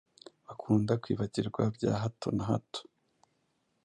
bakunda kwibagirwa bya hato na hato